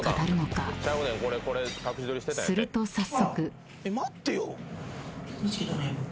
［すると早速］